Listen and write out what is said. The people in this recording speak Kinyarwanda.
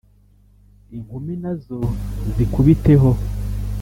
inkumi nazo zikubiteho